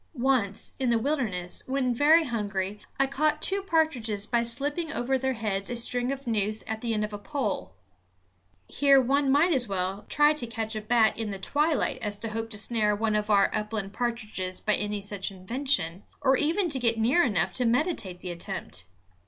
Once, in the wilderness, when very hungry, I caught two partridges by slipping over their heads a string noose at the end of a pole. Here one might as well try to catch a bat in the twilight as to hope to snare one of our upland partridges by any such invention, or even to get near enough to meditate the attempt.